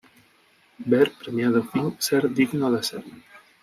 Ver premiado film "Ser digno de ser".